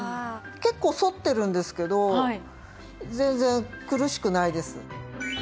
結構反ってるんですけど全然苦しくないです。